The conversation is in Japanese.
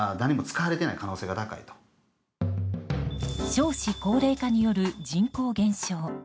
少子高齢化による人口減少。